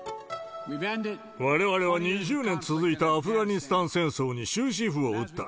われわれは２０年続いたアフガニスタン戦争に終止符を打った。